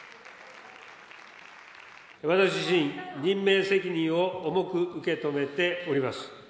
私自身、任命責任を重く受け止めております。